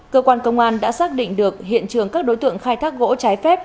cơ quan công an đã xác định được hiện trường các đối tượng khai thác gỗ trái phép